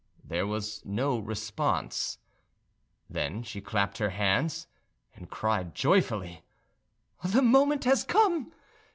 There was no response. Then she clapped her hands and cried joyfully, "The moment has come!"